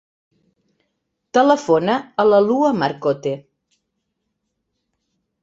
Telefona a la Lua Marcote.